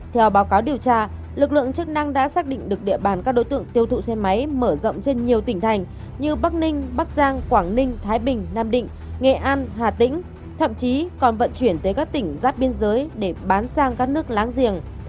theo báo cáo điều tra lực lượng chức năng đã xác định được địa bàn các đối tượng tiêu thụ xe máy mở rộng trên nhiều tỉnh thành như bắc ninh bắc giang quảng ninh thái bình nam định nghệ an hà tĩnh thậm chí còn vận chuyển tới các tỉnh giáp biên giới để bán sang các nước láng giềng